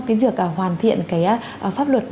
cái việc hoàn thiện cái pháp luật